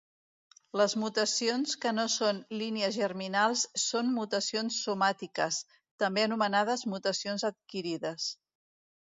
Les mutacions que no són "línies germinals" són mutacions somàtiques, també anomenades "mutacions adquirides".